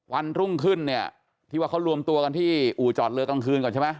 วันรุ่งขึ้นเนี่ยที่ว่าเขารวมตัวกันที่อู่จอดเรือกลางคืนก่อนใช่ไหม